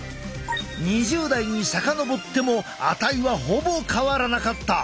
２０代に遡っても値はほぼ変わらなかった。